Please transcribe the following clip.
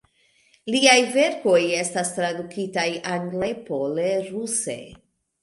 Liaj verkoj estas tradukitaj angle, pole, ruse.